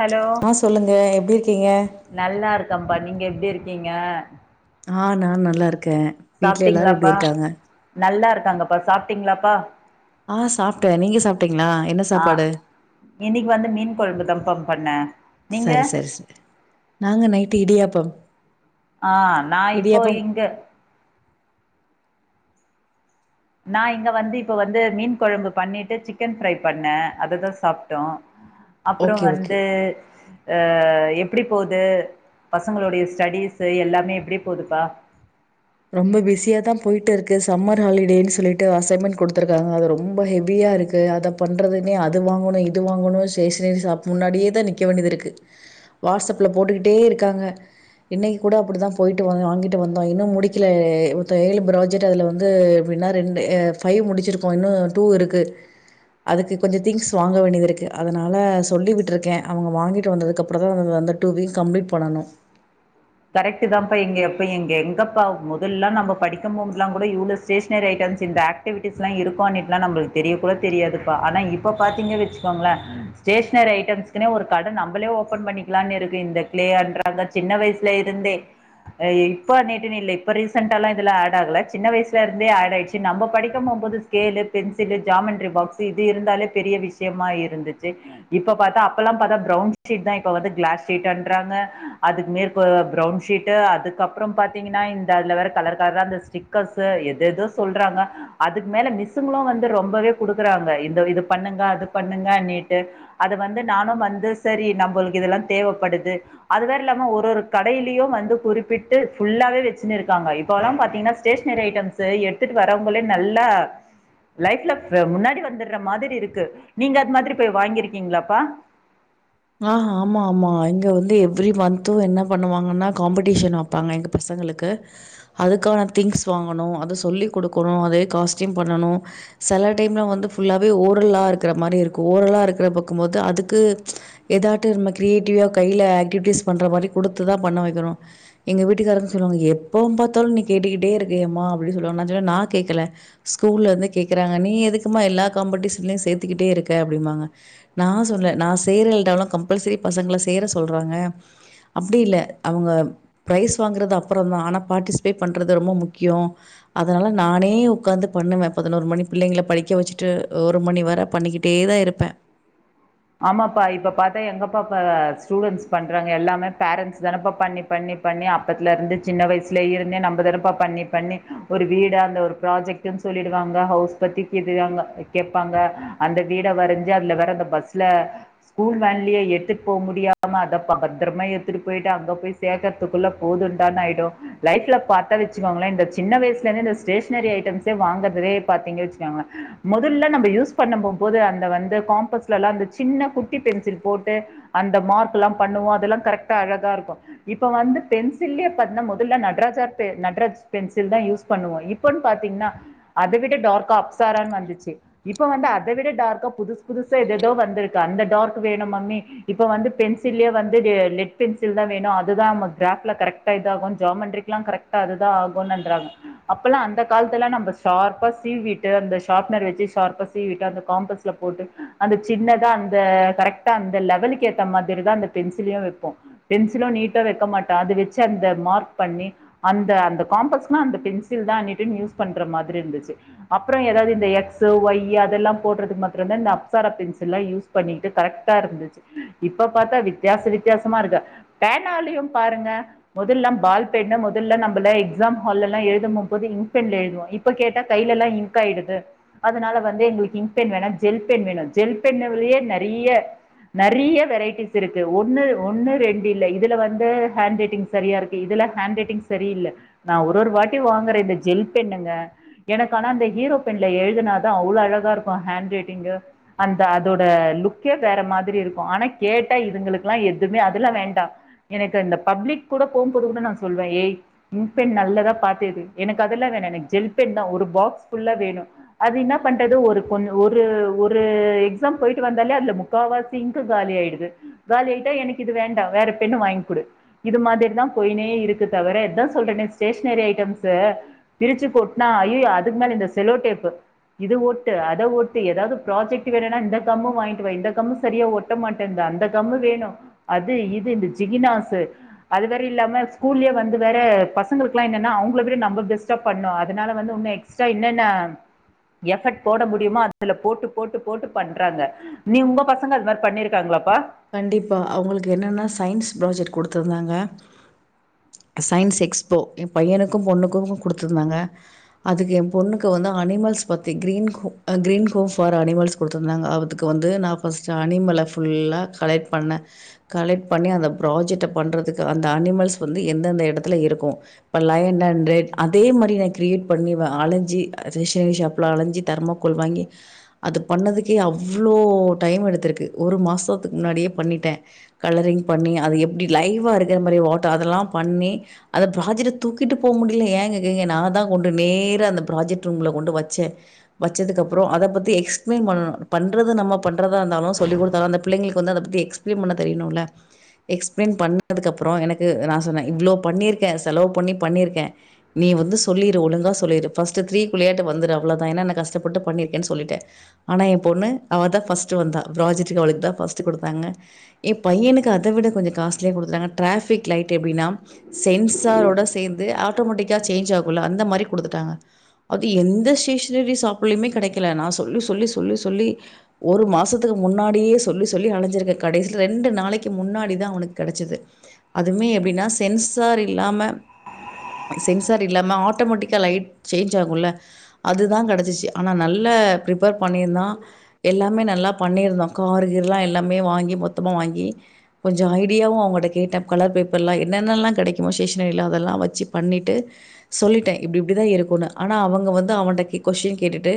Hello ஆ சொல்லுங்க எப்டி இருக்கீங்க நல்லா இருக்கம்பா நீங்க எப்டி இருக்கீங்க ஆ நான் நல்லா இருக்க வீட்ல எல்லாரு எப்டி சாப்ட்டீங்களாப்பா இருக்காங்க நல்லா இருக்காங்கப்பா சாப்டீங்களாப்பா ஆ சாப்ட்ட நீங்க சாப்ட்டீங்களா என்ன ஆ சாப்பாடு இன்னைக்கு வந்து மீன் கொழம்பு தாம்பா பண்ண நீங்க சரி சரி சரி நாங்க நைட்டு இடியாப்பம் ஆ நா இப்போ இடியாப்பம் இங்க நா இங்க வந்து இப்ப வந்து மீன் குழம்பு பண்ணிட்டு சிக்கன் ஃரை பண்ணே அததா சாப்ட்டோ அப்புற ஓகே ஓகே வந்து அ எப்டி போது பசங்களுடைய ஸ்டடீஸ் எல்லாமே எப்டி போதுப்பா ரொம்ப பிஸியா தா போயிட்டு இருக்கு சம்மர் ஹாலிடேன் சொல்லிட்டு அசைன்மெண்ட் கொடுத்துருக்காங்க அது ரொம்ப ஹெவியா இருக் இது அத பண்றதுனே அது வாங்கோன்னு இது வாங்கோன்னு ஸ்டேஷனரி ஷாப் முன்னாடியேதா நிக்க வேண்டியது இருக்கு வாட்ஸ்அப்ல போட்டுக்கிட்டே இருக்காங்க இன்னைக்கு கூட அப்டித்தா போயிட்டு வ வாங்கிட்டு வந்தோ இன்னு முடி க்கில ஒருத்தே ஏழு ப்ராஜெட் அதுல வந்து எப்டின்னா ரெண்டு எ ஃபைவ் முடிச்சிருக்கோ இன்னும் டூ இருக்கு அதுக்கு கொஞ்சசோ திங்ஸ் வாங்க வேண்டியது இருக்கு அதனால சொல்லி விட்டுருக்கேன் அவுங்க வாங்கிட்டு வந்ததுக்கு அப்றோதா அத வந்து டூ வீக் கம்ளீட் பண்ணணு கரெக்ட்டு தாம்ப்பா எங்க எப்ப எங்க எங்கப்பா மொதல்லா நம்ப படிக்க போம்போதுலா கூட இவ்ளோ ஸ்டேஷ்னரி ஐட்டம்ஸ் இந்த ஆக்ட் ஆக்டிவிட்டிஸ்லா இருக்கு ஆனா நம்மளுக்கு தெரிய கூட தெரியாதுப்பா ஆனா இப்போ பாத்தீங்க வச்சுக்கோங்ள ஸ்டேஷ்னரி ஐட்டம்ஸ்க்குனே ஒரு கட நம்மளே ஓபன் பண்ணிக்கலான்னு இருக்கு இந்த கிளேஅன்றாங்க சின்ன வயசு ப்லே இருந்தே அ இப்ப நேட்டுன்னு இல்ல இப்ப ரீசன்ட்டாள்ளா இதுல ஆட் ஆகல சின்ன வயசுல இருந்தே ஆட் ஆயிச்சு நம்ப படிக்க போம்போது ஸ்கேலு பென்சிலு ஜாமண்டரி பாக்ஸ்ஸு இது இருந்தாலே பெரிய விஷயமா இருந்துச்சு இப்ப பாத்தா அப்பெல்லா பாத்தா ப்ரவுன் ஷீட்தா இப்போ வந்து கிளாஸ் ஷீட்டண்றாங்க அதுக்கு மேற் ப் ப்ரவுன் ஷீட்டு அதுக்கப்ரோம் பாத்தீங்கன்னா இந்த அதுல வேற கலர் கலரா அந்த ஸ்டிக்கர்ஸ் அப்ரோ ஏதேதோ சொல்றாங்க அதுக்கு மேல மிஸ்சுங்களு வந்து ரொம்பவே குடுக்கறாங்க. இந்த இது பண்ணுங்க அது பண்ணுங்கணிட்டு. அது வந்து நானு வந்து சரி நம்மளுக்கு இதெல்லா தேவப்படுது அது வேற இல்லாம ஒரு ஒரு, கடையிலயு வந்து குறிப்பிட்டு ஃபுல்லாவே வெச்சின்னு இருக்காங்க இப்போல்லா பாத்தீங்கன்னா ஸ்டேஷனரி ஐட்டம்ஸ் சே எடுத்துட்டு வர்ரவங்களே நல்லா லைஃப்ல முன்னாடி வந்துடுற மாதிரி இருக்கு நீங்க அது மாதிரி போய் வாங்கிருக்கீங்களாப்பா. ஆ ஆமா ஆமா இங்க வந்து எவ்ரி மந்த்து என்ன பண்ணுவாங்கன்னா காம்படிஷன் அப் பாங்க எங்க பசங்களுக்கு அதுக்கான திங்ஸ் வாங்கணு அத சொல்லிக் கொடுக்கணு அதுவே காஸ்ட்யூம் பண்ணணு செல டைம்ல வந்து ஃபுல்லாவே ஓரல்லா இருக்கற மாரி இருக்கு ஓரலா இருக்கற பாக்கும் போது அதுக்கு எதாட்டு நம்ம கிரியேட்டிவா கையில ஆக்டிவிட்டிஸ் பண்ற மாரி குடுத்துதா பண்ண வெக்கணும் எங்க வீட்டுக்காரவங்க சொல்வாங்க எப்போம் பாத்தாலும் நீ கேட்டுக்கிட்டே இருக்கியேமா, அப்டி சொல்லுவாங்க நா சொல்லுவ நா கேக்கல ஸ்கூல்ல இருந்து கேக்கறாங்க நீ எதுக்குமா எல்லா காம்படிஷன்லயு சேத்துகிட்டே இருக்க அப்டிம்பாங்க நா சொல்ல நா செய்யற இல்டால்லா கம்பல்சரி பசங்கள சேர சொல்றாங்க அப்டி இல்ல அவுங்க பிரைஸ் வாங்கறது அப்றோந்தா ஆனா பார்ட்டிசிபேட் பண்றது ரொம்ப முக்யோ அதனால நானே உக்காந்து பண்ணுவ, பதினோரு மணி பிள்ளைங்கள படிக்க வெச்சுட்டு ஒரு மணி வரை பண்ணிகி டேதா இருப்ப ஆமாப்பா இப்ப பாத்தா எங்கப்பாப்ப ஸ்டுடென்ஸ் பண்றாங்க எல்லாமே பேரண்ட்ஸ் தானப்பா பண்ணி பண்ணி பண்ணி அப்பத்துல இருந்து சின்ன வயசுல இருந்தே நம்ம தானப்ப பண்ணி பண்ணி ஒரு வீடு அந்த ஒரு ப்ராஜெக்டுன் சொல்லிடுவாங்க, ஹவுஸ் பத்தி கேட்டுட்டு அவுங்க கேப்பாங்க அந்த வீட வரஞ்சு அதுல வற்ற அந்த பஸ் ல ஸ்கூல் வேன்லயே எடுத்துட்டு போ முடியாம அத பத்திரமா எடுத்துட்டு போயிட்டு அங்க போய் சேக்க துக்குள்ள போதுன்டானு ஆய்டு லைஃப்ல பாத்தா வெச்சுக்கோங்களே இந்த சின்ன வயசுல இருந்து இந்த ஸ்டேஷ்னரி ஐட்டம்ஸே வாங்கறதவே பாத்தீங்க வெச்சுக்கோங்களே மொதல்ல நம்ம யூஸ் பண்ண போம்போது அந்த வந்து காம்பஸ்லல்லா அந்த சின்ன குட்டி பென்சில் போட்டு அந்த மார்க்ல்லா பண்ணுவோ அதெல்லா கரெக்டா அழகா இருக்கு இப்ப வந்து பென்சில்யே பண்ணும்போது இல்ல நட்ராஜா பெ நட்ராஜ் பென்சில்தா யூஸ் பண்ணுவோ இப்போன் பாத்தீங்ன்னா அத விட டார்க்கா அப்சாரானு வந்துச்சு இப்ப வந்து அத விட டார்க்கா புதுசு புதுசா எதெதோ வந்துரு க்கு அந்த டார்க் வேணு மம்மி இப்ப வந்து பென்சில்யே வந்து கெ லெட் பென்சில்தா வேணு அதுதா நம்ம கிராப்ல கரெக்டா இதாகு ஜாமெண்ரிக் க்லா கரெக்ட்டா அதுதா ஆகுன்னறாங்க அப்பல்லா அந்த காலத்தல்லா நம்ப ஷார்ப்பா சீவிட்டு அந்த ஷார்ப்னர் வெச்சி ஷார்ப்பா சீவிட்டு அந்த காம்பஸ்ல போட்டு அந்த சின்னதா அந்த கரெக்ட்டா அந்த லெவலுக்கேத்த மாதிரிதா அந்த பென்சிலையு வெப்போ பென்சிலு நீட்டா வெக்க மாட்டா அது வெச்சு அந்த மார்க் பண்ணி அந்த அந்த காம்பஸ்க்னா அந்த பென்சில் தா நீட்டுனு யூஸ் பண்ற மாதிரி இருந்துச்சு அப்றோ ஏதாவ்து இந்த எக்ஸு ஓய்யி அதெல்லாம் போட்றதுக் மத்றந்தா இந்த அப்சரா பென்சில்லா யூஸ் பண்ணியிட்டு கரெக்ட்டா இருந்துச்சு இப்ப பாத்தா வித்யாச வித்யாசமா இருக்கு பேனாலயும் பாருங்க மொதல்லாம் பால்பென்னு மொதல்ல நம்பள எக்ஸாம் ஹால்லல்லா எழுதம் போம்போது இங்க் பென்ல எழுதுவோ இப் ப கேட்டா கைலல்லா இன்க்காய்டுது அதுனால வந்து எங்களுக்கு இன்க் பெண் வேணா ஜெல் பெண் வேணு ஜெல் பென்லேயே நறைய நறிய வெரைட்டிஸ் இருக்கு ஒன்னு ஒன்னு ரேண்டு இல்ல இதுல வந்து ஹேண் ரைட்டிங் சரியா இருக்கு இதுல ஹேண் ரைட்டிங் சரியில்ல நா ஒரு ஒரு வாட்டி வாங்குற இந்த ஜெல் பெண்ணுங்க எனக்கு ஆனா அந்த ஹீரோ பென்ல எழுதுனாதா அவ்ளோ அழகா இருக்கு ஹேண் ரைட்டிங்கு, அந்த அதோட புக்கே வேற மாதிரி இருக்கு ஆனா கேட்டா இதுங்களுக்லா எதுமே அதெல்லா வேண்டா எனக்கு அந்த பப்ளிக் கூட போம்போது கூட நா சொல்வ ஏய் இன்க் பென் நல்லதா பாத்து எடு எனக்கு அதல்லா வேணா எனக்கு ஜெல் பென்தா ஒரு பாக்ஸ் ஃபுல்லா வேணு அது இன்னா பண்றது ஒரு கொன் ஒரு ஒரு எக்ஸாம் போய்ட்டு வ ந்தாலே அத்ல முக்காவாசி இன்க்கு காலி ஆய்டுது காலி ஆயிட்டா எனக்கு இது வேண்டா வேற பென்னு வாய்ங்க் குடு இது மாதிரிதா போய்னே இருக்கு தவிர இதா சொல்றனே ஸ்டேஷ்னரி ஐட்டம்ஸு பிரிச்சு கொட்னா ஐயோ அதுக் மேல இந்த செலோடேப்பு இது ஒட்டு அத ஒட்டு ஏதாவ்து ப்ராஜெக்ட் வேணுனா இந்த கம்மு வாய் ன்ட்டு வா இந்த கம்மு சரியா ஒட்ட மாட்டேன்து அந்த கம்மு வேணு அது இது இந்த ஜிகினாசு அது வேற இல்லாம ஸ்கூல்லயே வந்து வேற பசங்களுக்குல்லா என்னன்னா அவ்ங்கள விட நம்ப பெஸ்டா பண்ணு அதுனால வந்து உன்னு எக் க்ஸ்ட்ரா என்னென்ன எஃபட் போட முடியுமோ அத்துல போட்டு போட்டு போட்டு பண்றாங்க நீ உங்க பசங்க அது மாரி பண்ணிருக்காங்ளாப்பா கண்டிப்பா அவ்ங்களுக்கு என்னென்னா சயின்ஸ் ப்ராஜெக்ட் குடுத்ருந்தாங்க சயின்ஸ் எக்ஸ்போ ஏம் பையனுக்கு பொண்ணுக்கு குடுத்துருந்தாங்க அதுக்கு ஏம் பொண்ணுக்கு வந்து அனிமல்ஸ் பத்தி green go a green go for animals குடுத்துர்ந்தாங்க அவதுக்கு வந்து நா ஃபஸ்ட்டு அனிமல ஃபுல்லா கலெக்ட் பண்ண கலெக்ட் பண்ணி அந்த ப்ராஜெக்ட்ட பண்றதுக்கு அந்த அனிமல்ஸ் வந்து எந்தெந்த எடத்துல இருக்கு இப்ப லயன் அண்ட் ரெட் அதே மாரி நா க்ரியேட் பண்ணி வ அலஞ்சி ரேஷ்னரி ஷாப்ல அலஞ்சி தர்மா கோல் வாங்கி அது பண்ணதுக்கே அவ்ளோ டைம் எடுத்துருக்கு ஒரு மாசொ துக் முன்னாடியே பண்ணிட்டே கலரிங் பண்ணி அது எப்டி லைவா இருக்குற மாரி வாட்ட அதெல்லாம் பண்ணி அந்த ப்ராஜெட்ட தூக்கிட்டு போ முடிய்ல ஏ கேக்குறிங்க நா தா கொண்டு நேரா அந்த ப்ராஜெக்ட் ரூம்ல கொண்டு வச்சே வச்சதுக்கப்றோ அதப் பத்தி எக்ஸ்ப்ளைன் பண்ணணு பண்றது நம்ம பண்றதா இருந்தாலு சொல்லி குடுத்தாதா அந்தப் பிள்ளைங்களுக்கு வந்து அதப் பத்தி எக்ஸ்ப்ளைன் பண்ண தெரியணுல்ல எக்ஸ்ப்ளைன் பண்ணதுக்கப்பறோ எனக்கு நா சொன்ன இவ்ளோ பண்ணிருக்க செலவு பண்ணி பண்ணிருக்கே நீ வந்து சொல்லிரு ஒழுங்கா சொல்லிரு ஃபஸ்ட்டு த்ரீ குள்ளையாட்டு வந்துரு அவ்ளோதா ஏன்னா நா கஷ்டப்பட்டு பண்ணிர்க்கன் சொல்லிட்ட ஆனா ஏம் பொண்ணு அவ தா ஃபஸ்ட்டு வந்தா ப்ராஜக்ட்டுக்கு அவளுக்தா ஃபஸ்ட்டு குடுத்தாங்க ஏ பையனுக்கு அத விட கொஞ்சொ காஸ்ட்லியா குடுத்துட்டாங்க ட்ராஃபிக் லைட் எப்டின்னா சென்சாரோட சேந்து ஆட்டோமேட்டிக்கா சேஞ்ச் ஆகுல்ல அந்த மாரி குடுத்துட்டாங்க அது எந்த ஸ்டேஷ்னரி சாப்லயுமே கெடைக்கல நா சொல்லி சொல்லி சொல்லி சொல்லி ஒரு மாசத்துக்கு முன்னாடியே சொல்லி சொல்லி நா அலைஞ்சிருக்க கடைசில ரெண்டு நாளைக்கு முன்னாடி தா அவனுக்கு கெடச்சது அதுமே எப்டின்னா சென்சார் இல்லாம சென்சார் இல்லாம ஆட்டோமேட்டிக்கா லைட் சேஞ்ச் ஆகுல்ல அதுதா கெடச்சிச்சு ஆனா நல்லெ ப்ரிப்பேர் பண்ணிருந்தா எல்லாமே நல்லா பண்ணிருந்தா கார்கீர் எல்லாமே வாங்கி மொத்தமா வாங்கி கொஞ்சோ ஐடியாவு அவங்கள்ட்ட கேட்டே கலர் பேப்பரெலா என்னென்னெலா கெடைக்குமோ ஸ்டேஷ்னரியிலா அதெல்லா வச்சு பண்ணிட்டு சொல்லிட்டே இப்டி இப்டிதா இருக்குன்னு ஆனா அவுங்க வந்து அவன்ட கொஸ்டின் கேட்டுட்டு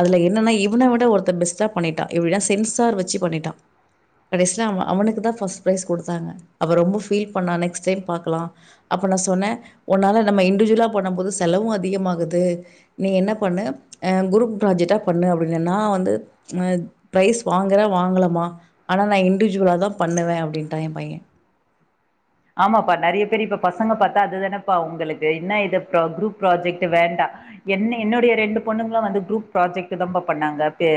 அதுல என்னன்னா இவன விட ஒருத்த பெஸ்ட்டா பண்ணிட்டா எப்டின்னா சென்சார் வச்சு பண்ணிட்டா கடைஸ்லே அவ அவனுக்கு தா ஃபஸ்ட் பிரைஸ் குடுத்தாங்க அப்ப ரொம்ப ஃபீல் பண்ணா நெக்ஸ்ட் டைம் பாக்கலா அப்ப நா சொன்னே உன்னால நம்ம இண்டிவிஜுவலா பண்ணும்போது செலவு அதிகமாகுது நீ என்ன பண்ணு அ குருப் ப்ராஜெக்டா பண்ணு அப்டின்னே நா வந்து அத் ப்ரைஸ் வாங்குற வாங்கலம்மா ஆனா நா இன்டிவிஜுவலா தா பண்ணுவே அப்டின்டா எ பையே ஆமாப்பா நெறைய பேர் இப்ப பசங்க பாத்தா அதுதானேப்பா உங்களுக்கு என்ன இதப்புறோ குரூப் ப்ராஜெக்ட் வேண்டா என் என்னுடைய ரெண்டு பொண்ணுங்களு வந்து குரூப் ப்ராஜெக்ட் தா பண்ணாங்க பே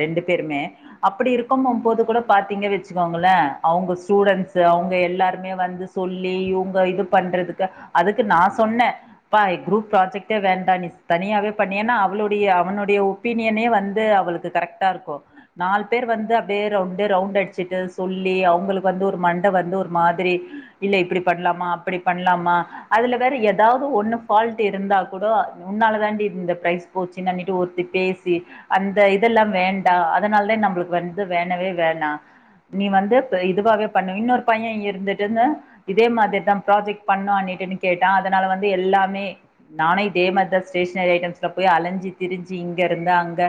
ரெண்டு பேருமே அப்படி இருக்குமோம்போது கூட பாத்தீங் வச்சுக்கோங்ளே அவுங்க ஸ்டூடென்ஸு அவுங்க எல்லாருக்கு இவே வந்து சொல்லி இவுங்க இது பண்றதுக்கு அதுக்கு நா சொன்னே பா குரூப் ப்ராஜெக்ட்டே வேண்டா நீ தனியாவே பண்ணு ஏன்னா அவளுடைய அவனுடைய ஒப் ஒப்பீனியனே வந்து அவளுக்கு கரெக்டா இருக்கு நால் பேர் வந்து அப்டியே ரவுண்டு ரவுண்ட் அடிச்சுட்டு சொல்லி அவுங்களுக்கு வந்து ஒரு மண்ட வந்து ஒரு மாதி சரி இல்ல இப்டி பண்ணலாமா அப்படி பண்ணலாமா அதுல வேற ஏதாவது ஒன்னு ஃபால்ட் இருந்தா கூடோ உன்னால தாண்டி இந்த பிரைஸ் போச்சி நன்னிட்டு ஒருத்தி பேசி அந்த இதெல்லாம் வேண்டா அதனால்தா நம்மளுக்கு வந்து வேணவே வேணா நீ வந்து ப் இதுவாவே பண்ணு இன்னொரு பையே இருந்து இதே மாதிரிதா ப்ராஜெக்ட் பண்ணும் அனிட்டுன்னு கேட்டா அதனால வந்து எல்லாமே நானு இதேமாரி தா ஸ்டேஷனரி ஐட்டம்ஸ்ல போய் அலைஞ்சி திரிஞ்சு இங்க இருந்து அங்க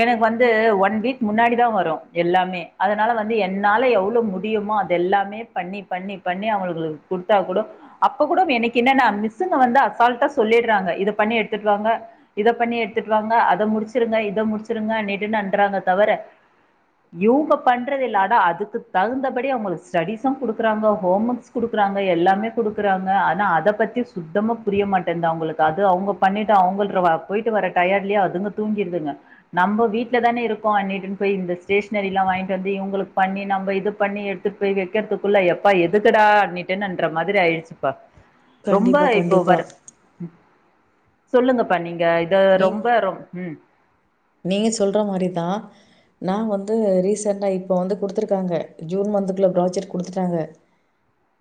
எனக்கு வந்து ஒன் வீக் முன்னாடி தா வரு எல்லாமே அதனால வந்து என்னால எவ்ளோ முடியுமோ எல்லாமே பண்ணி பண்ணி பண்ணி அவ்ங்ளுக்கு குடுத்தா கூட அப்ப கூட எனக்கு என்னன்னா மிஸ்சுங்க வந்து அசால்ட்டா சொல்லிடுறாங்க இத பண்ணி எடுத்துட்டு வாங்க இத பண்ணி எடுத்துட்டு வாங்க அத முடிச்சிருங்க இத முடிச்சிருங்க அண்ணிட்டுன்னு அன்த்றாங்க தவர இவுங்க பண்றது இல்ல ஆனா அதுக்கு தகுந்தபடி அவ்ங்களுக்கு ஸ்டடிஸும் கொடுக்க க்காங்க ஹோம் ஒர்க்ஸ் குடுக்குறாங்க எல்லாமே குடுக்குறாங்க ஆனா அத பத்தி சுத்தமா புரிய மாட்டேந்தா அவுங்களுக்கு அது அவுங்க பண்ணிட்டு அவுங்கள போயிட்டு வர டயர்லயே அதுங்க தூங்கிடுதுங்க நம்ம வீட்ல தான இருக்கோ அட்டுனு போய் இந்த ஸ்டேஷனரி எல்லா வாங்கிட்டு வந்து இவங்களுக்கு பண்ணி நம்ம இது பண்ணி எடு போய் வைக்கிறதுக்குள்ள எப்பா எதுக்குடா அண்ணனுட்டுன்ற மாதிரி ஆயிடுச்சுப்பா ரொம்ப கண்டிப்பா, இப்போ கண்டிப்பா. வர் சொல்லுங்கப்பா நீங்க இத நீங் ரொம்ப ரொம் ம் நீங்க சொல்ற மாரிதா நா வந்து ரீசெண்டா இப்போ வந்து குடுத்துருக்காங்க ஜூன் மந்த்துக்குள்ள ப்ராஜெக்ட் குடுத்துட்டாங்க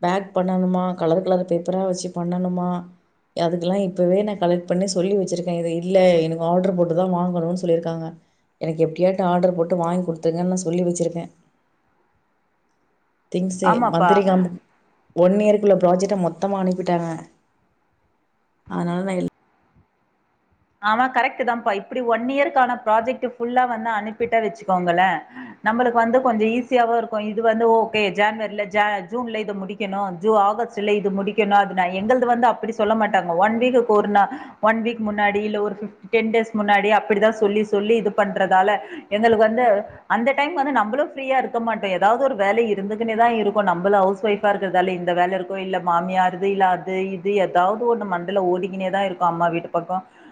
பேக் பண்ணணுமா கலர் கலர் பேப்பரா வச்சு பண்ணணுமா அதுக்கெல்லா இப்போவே நா கலெக்ட் பண்ணி சொல்லி வச்சருக்கே இது இல்ல எனக்கு ஆர்டரு போட்டு தா வாங்குணு சொ சொல்லியிருக்காங்க எனக்கு எப்டியாடு ஆர்டர் போட்டு வாங்கி குடுத்துருங்னு சொல்லி வச்சிருக்கே திங்ஸ்சே ஆமாப்பா மந்திரகம் ஒன் இயருக்குள்ள ப்ராஜெக்ட மொத்தமா அனுப்பிட்டாங்க அதனாலதா ஆமா கரெக்ட் தாம்பா இப்டி ஒன் இயர்கக்கான ப்ராஜெக்ட் புள்ளா வந்து அனுப்பிட்டா வச்சுக்கோங்களே நம்முளுக்கு வந்து கொஞ்சோ ஈஸியாவோ இருக்கோ இது வந்து ஓகே ஜேன்வர்ல ஜே ஜூன்ல இது முடிக் க்கணோ ஜூ ஆகஸ்ட்ல இது முடிக்கணோ அது நா எங்கள்து வந்து அப்புடி சொல்ல மாட்டாங்க ஒன் வீக்கு ஒரு நாள் ஒன் வீக் முன்னாடி இல்ல ஒரு ஃபிஃப் டென் டேஸ்க்கு முன்னாடி அப்புடிதா சொல்லி சொல்லி இது பண்றதால எங்குளுக்கு வந்து அந்த டைம் வந்து நம்மளு ஃப்ரீயா இருக்க மாட்டோ எதாவது ஒரு வேலை இருந்துக்குன்னேதா இருக்கோ நம்பளோ ஹவுஸ் ஒய்ஃப் வா இருக்கிறதால இந்த வேலை இருக்கோ இல்ல மாமியார்து இல்ல அது இது எதாவது ஒன்னு மண்டல ஓடிக்குனேதா இருக் உங்க அம்மா வீட்டு பக்கோ